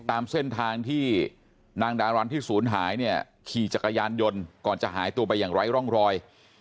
ตามเส้นทางที่นางดารันที่ศูนย์หายเนี่ยขี่จักรยานยนต์ก่อนจะหายตัวไปอย่างไร้ร่องรอย